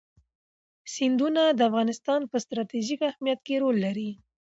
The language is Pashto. سیندونه د افغانستان په ستراتیژیک اهمیت کې رول لري.